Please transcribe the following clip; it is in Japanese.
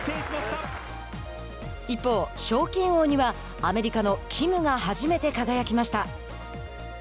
一方、賞金王にはアメリカのキムが初めて輝きました。